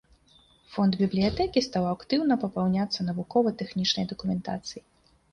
Фонд бібліятэкі стаў актыўна папаўняцца навукова-тэхнічнай дакументацыяй.